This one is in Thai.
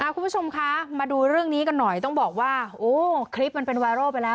คุณผู้ชมคะมาดูเรื่องนี้กันหน่อยต้องบอกว่าโอ้คลิปมันเป็นไวรัลไปแล้ว